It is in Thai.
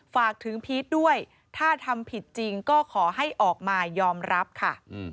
ฝากถึงพีชด้วยถ้าทำผิดจริงก็ขอให้ออกมายอมรับค่ะ